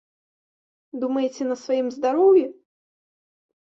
Думаеце, на сваім здароўі?